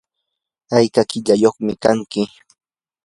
¿ayka qillayyuqmi kanki?